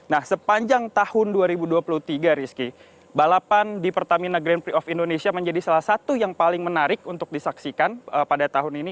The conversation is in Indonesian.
nah sepanjang tahun dua ribu dua puluh tiga rizky balapan di pertamina grand prix of indonesia menjadi salah satu yang paling menarik untuk disaksikan pada tahun ini